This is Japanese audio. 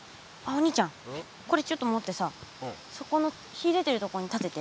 これちょっと持ってさそこの日でてるとこに立てて。